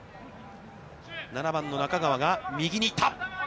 ７番の中川が右に行った。